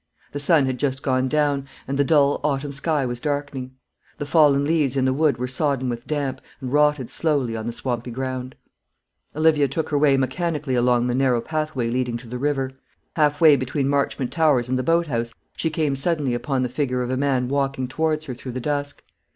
The sun had just gone down, and the dull autumn sky was darkening. The fallen leaves in the wood were sodden with damp, and rotted slowly on the swampy ground. Olivia took her way mechanically along the narrow pathway leading to the river. Half way between Marchmont Towers and the boat house she came suddenly upon the figure of a man walking towards her through the dusk.